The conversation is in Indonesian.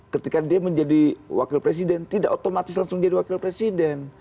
ketika dia menjadi wakil presiden tidak otomatis langsung jadi wakil presiden